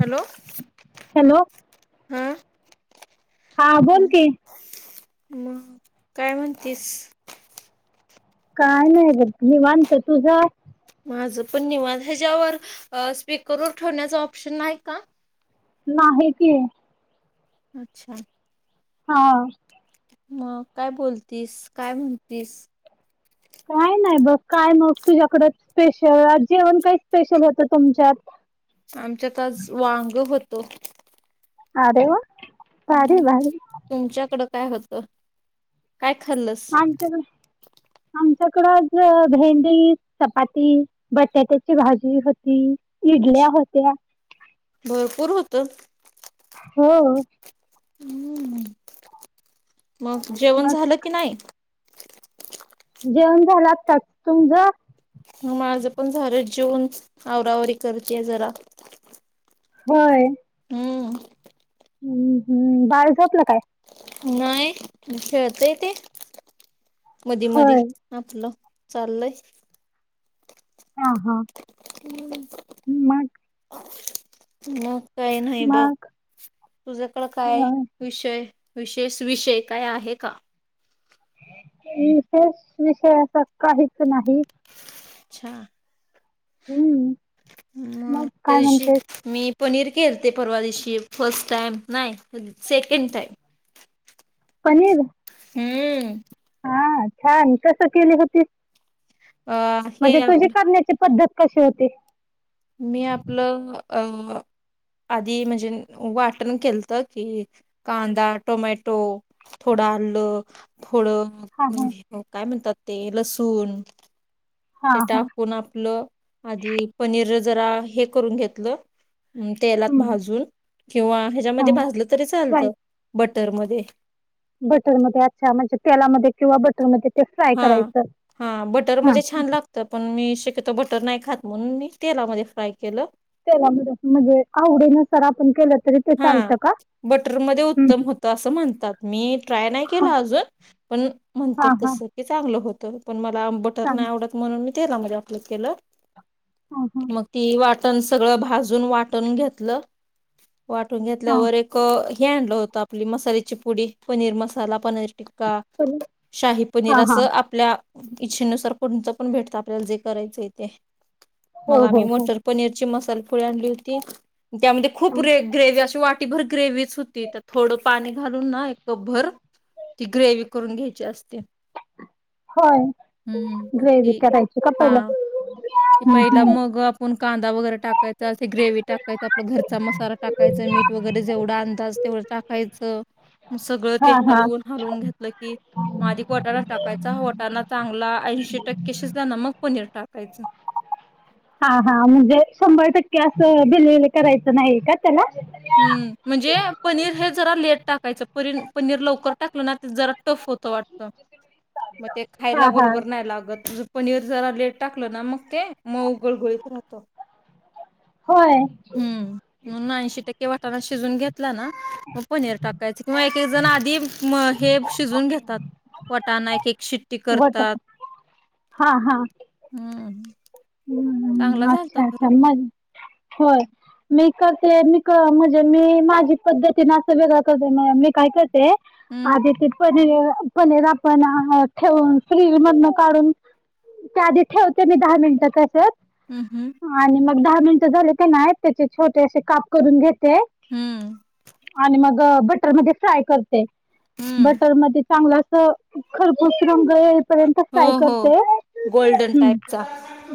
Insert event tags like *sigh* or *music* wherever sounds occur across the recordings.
Hello hello हा हा बोल की मग काय म्हणतीस काय नाही ग निवांत तुझं माझं पण निवाज ह्याच्यावर स्पीकरवर ठेवण्याचा ऑप्शन नाही का? नाही की. अच्छा हा मग काय बोलतीस काय म्हणतीस. काय नाही बस काय मग तुझ्याकड स्पेशल जेवण काही स्पेशल होतं तुमच्यात आमच्यात आज वांग होतो. अरे वा भारी भारी तुमच्याकडं काय होतं काय खाल्लस? आमच्याकडं आज भेंडी चपाती बटाट्याची भाजी होती. इडल्या होत्या भरपूर होतं हो, हम् मग जेवण मग झालं की नाही? जेवण झालं आत्ताच तुझं? ह माझं पण झालं जेवन आवरावरी करतेय जरा होय. हम्म हम्म हम्म बाहेर झोपला काय? नाही खेळतय, ते मधी मधी होय आपलं चाललंय. हा हा हम मग मग मग तुझ्याकड काय विषय विशेष विषय काय आहे का? विशेष विषय अस काहीच नाही. अच्छा हम्म मग काय तशी म्हणतेस मी पनीर केलतेपरवा दिवशीफर्स्ट टाईम नाही सेकंड टाईम पनीर हम् हा छान कस केली होती अ म्हणजे हे तुझी आपलं करण्याची पद्धत कशी होती? मी आपलं अ आधी म्हणजे वाटण केलत की कांदा टोमॅटो थोडं आलं, थोडं हा हा काय म्हणतात ते लसूण हा ते हा टाकून आपलं आधी पनीर जरा हे करून घेतलं. तेलात हम्म भाजून किंवा हा ह्याच्यामध्ये भाजलं तरी चालतं बटरमध्येध्ये बटरमध्येध्ये अच्छा म्हणजे तेलामध्ये किंवा बटरमध्ये ते फ्राय हा करायचं हा बटर हा मध्ये छान लागत. तर पण मी शक्यतो बटर नाही खात म्हणून मी तेलामध्ये फ्राय केलं. तेलामध्ये म्हणजे आवडीनुसार आपण केलं तरी ते हा चालतं का बटरमध्येध्ये उत्तम हम्म. होतं असं म्हणतात मी ट्राय नाही हा केला अजून पण हा म्हणतात हा कस क चांगलं होतं पण मला बटर चालेल नाही आवडत म्हणून मी तेलामध्ये अप्लाय केलं. हा हा मग ती वाटण सगळं भाजून वाटण घेतलं. वाटून हा घेतल्यावर एक हे आणलं होतं आपली मसाल्याची पुडी पनीर मसाला पनीर टिक का पण शाही पनीर हा अस हा आपल्या इच्छेनुसार कोणचं पण भेटत आपल्याला जे करायचंय ते हो मग आम्ही हो मो हो पनीरची मसाल पुढ आणली होती त्यामध्ये खूप रे ग्रेव्ही अशी वाटीभर ग्रेवीच होती तर थोडं पाणी घालून ना एक कप भर ती ग्रेव करून घ्यायची असते होय हम्म मग ग्रेवी ती करायची का पहिल हा पहिला मग आपण कांदा वगैरे टाकायचा तेे ग्रेवी टाक कायआपलं घरचा मसाला टाकायच मीठ वगैरे जेवढा अंदाज तेवढं टाकायचं सगळं हा ते हा हलवून हलवून घेतलं की आधी मंग वाटाणा टाकायचा वटाणा चांगला ऐशी, टक्के शिजला का मग पनीर टाकायचं हा हा म्हणजे शंभर टक्के असं भिलेले करायचं नाही का त्याला हम्म म्हणजे पनीर हे जरा लेट टाकायचं पनीर पनीर लवकर टाकलं ना जरा त वाटत मग ते हा खायला हा बरोबर नाही लागत पनीर जरा लेट टाकलं ना मग ते मग उघळ गोळीत राहतो होय मून श टके वाटा शिजून घेतला ना मग पनीर टाकायच किंवा एक एक जण आधी हे शिजून घेतात पटाण एक एक शिट्टी करतात हां हा हम्म हम् अच्छा अच्छा मज होय मी करते मी म्हणजे मी माझी पद्धतीने असं वेगळं करते मी काय करते हं, आधी ते पनीर पनीर आपण ठेवून फ्रीज मधन काढून त्या आधी ठेवते मी दहा मिनिटं कसत हम् हम् आणि मग दहा मिनट झाले ते नाही त्याचे छोटे असे काप करून घेत ते हं, आणि मग बटर म फ्राय करते हं. बटर म चांगलं अस खरपूस रंग येईपर्यंत हो, कााय हो. करते गोल्डन टाईपचा.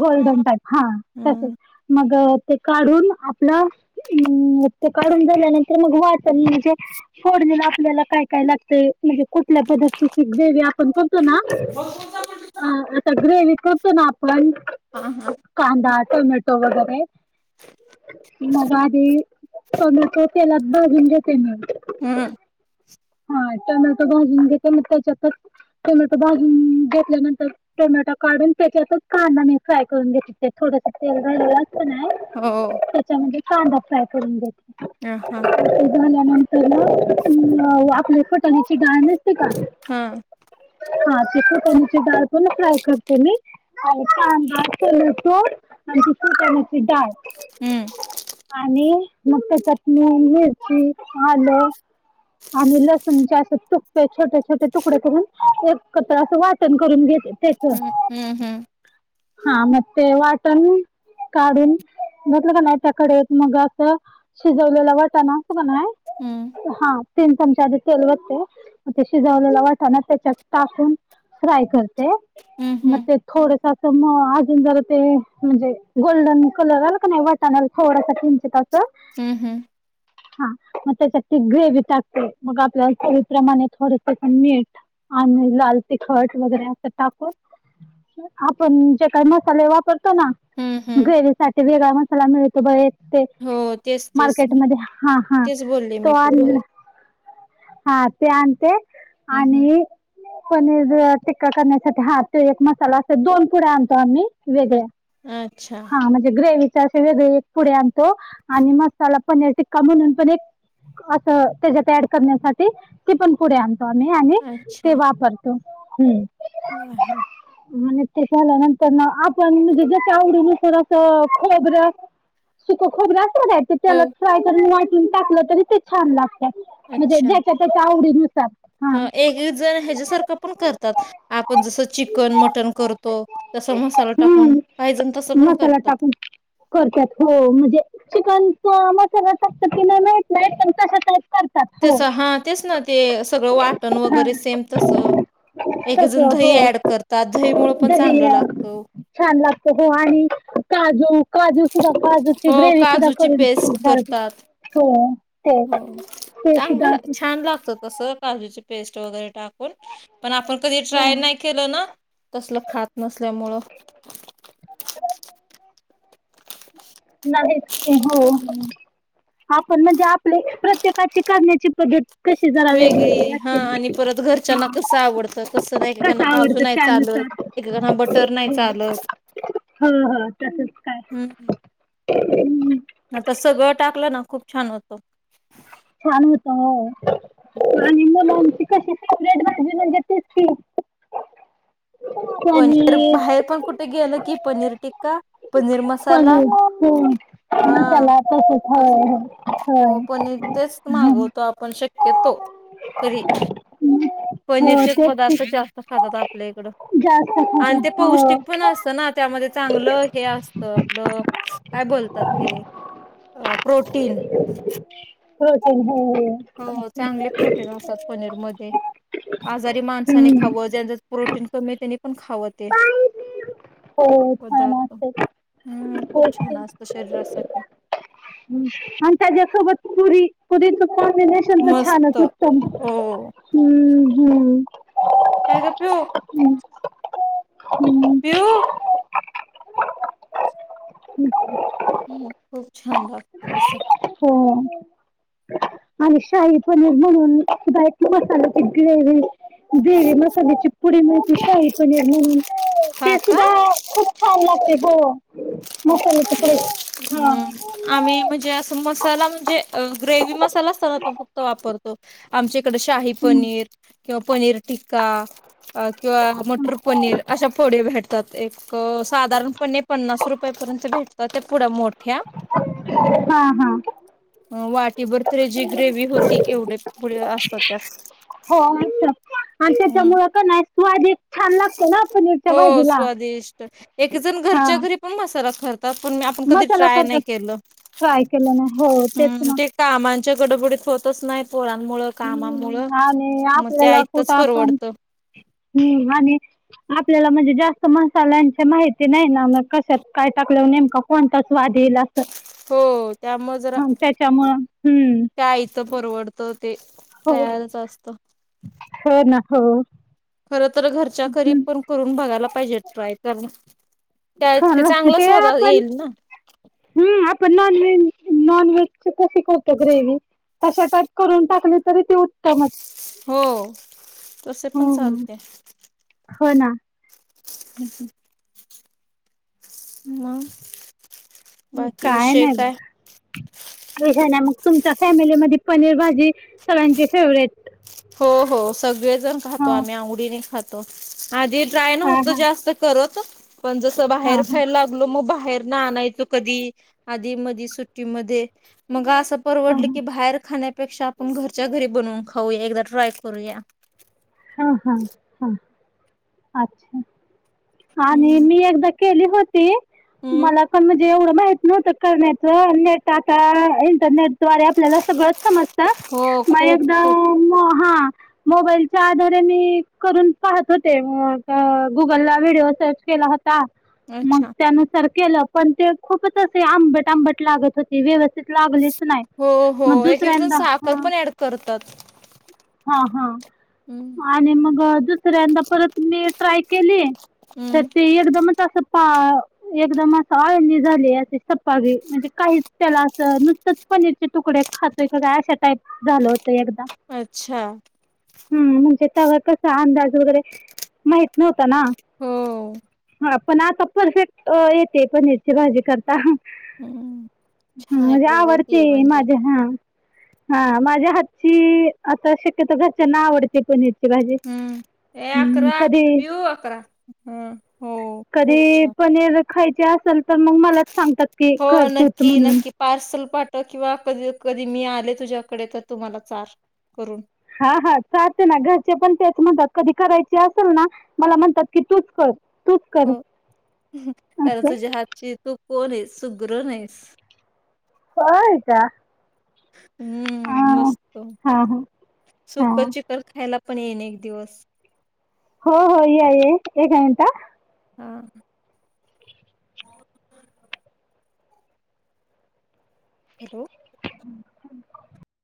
गोल्डन टाईप हा तसच हं. मग ते काढून आपलं हम् ते काढून झाल्यानंतर मग वाचर म्हणजे सोडलेला आपल्याला काय काय लागत म्हणजे कुठल्या पद् श्रवी आपण करतो ना सग्रवी करतो ना आपण हां हां कांदा टोमॅटो वगैरे मगारी स तोतेला बघून घेते म हम्म हा टमॅटो भाजून घेत म त्याच्यातच टोमॅटो भाजून घेतल्यानंतर टोमॅटो काढून त्याच्यातच काढ मि फ्राय करून घेत थोडस तेल झारलेलं असतं ना हो त्याच्यामध्ये कांदा फ्राय करून देते ह हां ते झाल्यानंतर आपल्या फटाण्याची गाळ नसते का हां हा चिक कनीची डाळ पण फ्राय करते मी ह चोर आणि तसची ळ हम्म आणि मग चटणी मिरची आलू आणि लसूणचे असे तुकट छोटे छोटे तुकडे करून एक कच्रचं वाटण करून घेते त्याच हम्म हम्म हम्म हा मग ते वाटण काढून घेतलंका मग असं शिजवलेला वाटाण असतोकानाय हं, हा तीन चमच्याध तेल वते मग ते शिजवलेला वाटाण त्याच्यात टाकून फ्राय करते हं, मग हं, ते थोडसा तर म अजून जरा ते म्हणजे गोल्डन कलर आलं का नाही वाटाणाला थोडासा किंचित असं. हम् हम्. *unintelligible* हा मग त्याच्यात ती ग्रेवी टाकते मग आपल्या चवी प्रमाणे थोडंस मीठ. आणि लाल तिखट वगैरे असं टाकून. आपण जे काही मसाले वापरतो ना हं, हं. ग्रेवी साठी वेगळा मसाला मिळतो ब एक. ते, हो. तेच, तेच. मार्केटमध्ये हा हा तेच बोलले तो मी पण आनला. मगाशी. हा ते आणते हं, हं. आणि पनीर टिक्का करण्यासाठी हा तो एक मसाला अस दोन पुड्या आणतो आम्ही. वेगळ्या, अ अच्छा, हा म्हणजे ग्रेवीच्या असे वेगळे पुड्या आणतो आणि मसाला पनीर टिकका म्हणून पण एक, अस त्याच्यात अड करण्यासाठी ते पण पुड्या आण आणि ते वापरतो हम्म. हा हा. आणि ते झाल्या नंतर ना आपण म्हणजे जस आवडी नुसार असं खोबरं सुख खोबर असत काय ते हो, तेलात फ्राय करून वाटून टाकलं तरी ते छान लागतय, म्हणजे ज्याच्यात त्याच्या आवडी नुसार. ह एक जण ह्याच्यासारखं पण करतात आपण जसं चिकन मटण करतो. तसा मसाला टाकून हम्म. पाहिजण तसं पण मसाला करतात. टाकून करतात हो म्हणजे चिकनच मसाला टाकतात ते माहित नाही पण तशा टयपमध्ये तसं हा तेच ना ते सगळं वाटण हा वगैरे सेम तसं. एक जण तसं दही हो ऍड करतात दहीमुळे पण दही चांगलं अं, लागत. छान लागत हो आणि काजू काजू सुद्धा काजूची हो, ग्रेवी सुद्धा काजूची करून पेस्ट घाल करतात. हो, ते, हो, ते सुद्धा अस. अस काजूची पेस्ट वगैरे टाकून पण आपण कधी हो ट्राय नाही केलं ना, तसल खात नसल्यामुळ. नाहीच हो, आपण म्हणजे आपले प्रत्येकाची करण्याची पद्धत कशी जरा वेगवेगळी वेगळी हा असते ना आणि परत घरच्यांना कसं आवडतं तसं एक कसं काना काजू आवडतं नाही चालत. त्यानुसार एकणा बटर नाही चालत. हा हा तसच काय? हम्म हम्. आता सगळ टाकलं ना खूप छान होत. छान होत हो, आणि मुलांची कशी फेवरेट भाजी म्हणजे तीच की. पनीर बाहेर पण कुठे गेलं की पनीर टिक्का, पनीर मसाला. पनीर हो हा मसाला तसच अस- हय, हो होय. पनीर तेच मागवतो आपण शक्यतो तरी. हम्म. पनीरचे पदार्थ जास्त खातात आपल्या इकडं, जास्त खात आणि हो ते पौष्टिक पण असतं ना. त्यामध्ये चांगलं हे असत आपलं काय बोलतात ते. प्रोटीन. प्रोटीन हो. हो चांगले प्रोटीन असतात पनीरमध्ये. आजारी माणसाने हम्म खावं ज्यांच्या प्रोटीन कमी आहे त्यांनी पण खाव ते. हो छान पदार्थ, असते हम् खूप छान असत शरीरासाठी. हम आणि त्याच्या सोबत पुरी, पुरीच कोंबिनेश छान मस्त उत्तम हो हम्म, हम्म हम. त्याज्यात होय. *unintelligible* पिऊ. हच् ह खूप छान लागत तसं हो आणि शाही पनीर म्हणूनय मसाल्याची ग्रेव्ही बेरे मसाल्याची पुडी मती का पनिर म्हणून ते हा का सुद्धा खूप छान लागते ग मसची पुडे हा हम्म आम्ही म्हणजे असं मसाला म्हणजे ग्रेवी मसालाचना त फक्त वापरतो आमच्या इकड शाही पनीर किंवा पनीर टिक्का किंवा मटर पनीर अशा फोळे्या भेटतात एक साधारणपणे पन्नास रुपया पर्यंत भेटतात त्या पुढ्या मोठ्या हा हा वाटीभर तर जी ग्रेवी होती एवढे पुढ असतात त्यात हो आणि हम्म त्याच्यामुळे का नाही स्वाद एक छान लागतो ना पनीरच्या हो भाजीला स्वादिष्ट एक जण हा घरच्या घरी पण म सार खरतात पण मी आपण कधी मसाला ट्राय करतात नाही केलं ट्राय केलं नाही हो तेच ना ते कामांच्या गडबडीत होतच नाही पोरांमुळ कामामुळं हम्म आणि मग ते आयतच परवडतं ह् आणि आपल्याला म्हणजे जास्त मसाल्यांच्या माहिती ते नाही ना मग कशात काय टाकलंवर नेमका कोणता स्वाद येला हो त्यामुळे जरा हा त्याच्यामुळं हम्म परवडत ते हो तयारच असत हो ना हो खर तर घरच्या खरी हं पण करून बघायला पाहिजेत ट्राय करून त्या छान ते चांगलं स्वत येईल ना हम्म आपण नॉन व्हेज नॉन व्हेज शिकवतो ग्रेवी तशा टाईप करून टाकली तरी ती उत्तमच हो तसे पण हं चालते हम् हो ना हम् मग बाकी विषय काय अष ना मग तुमच्या फॅमिली मधे पनीर भाजी सगळ्यांची फेवरेट हो हो सगळेजण खातो हां आम्ही आवडीने खातो आधी ड्राय न हां होत हां जास्त त पण जस बाहेर हां खायला मग बाहेर ना आणायचो कधी आधी मधी सुट्टीमध्ये मग अस हां हां परवडली की बाहेर खाण्यापेक्षा आपण घरच्या घरी बनवून खाऊया एकदा ट्राय करूया हा हा हा अच्छा हम्म आणि मी एकदा केली होती हम्म मला पण एवढं माहित न्ह तर करण्यातच नट टाटा इंटरनेट ारे आपल्याला सगळ समजत हो खूप खूप ह मो त्याच्या आधारे मी करून पाहत होते गुगल ला व्हिडिओ सर्च केला होता मग अच्छा त्यानुसार केलं पण ते खूपच असे आंबट आंबट लागत होते ते व्यवस्थित लागलेच नाही हो हो मग एक एक जण दुसऱ्यांदा साखर ह पण ऍड करतात हा हा हम्म आणि मग दुसऱ्यांदा परत मी ट्राय केली तर हम्म ते एकदमच अस ह एकदम असं आळंदी झाले असे सपागरी म्हणजे काही त्याला असं नुसतंच पनीरचे तुकडे खातोय का काय अशा टाईप झालं होतं एकदा अच्छा हम म्हणजे त्यावर कसा अंदाज मा आ हो अ येते पनीरची भाजी करता ह हम्म छान आहे म्हणजे प्रगती आवडते आहे म्हणजे माझ्या हा हा माझ्या हातची आता शक्यतोर घरच्यांना आवडते पनीर हम्म. ए अकरा कधी पिऊ अकरा. हम्म हो खूप कधी छान. प खायचे असेल तर मग मलाच सांगतात की हो करतोच नक्की म्हणून नक्की पार्सल पाठव किंवा कधी कधी मी आले तुझ्याकडे तर तुम्हाला चार करून हा हा चाहते ना घरचे पण तेच म्हणतात कधी करायचे असेल ना मला म्हणतात की तूच कर तूच कर हो कारण असं तुझ्या हातची तू कोण आहेस सुग्रन आहेस होयता हम्म मस्त हा हा हा सुक चिकन खायला पण येईन एक दिवस हो हो ये ये एक मिनट हा हॅलो अम्